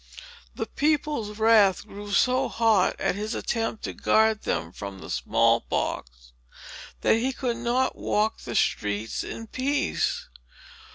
The people's wrath grew so hot at his attempt to guard them from the small pox, that he could not walk the streets in peace.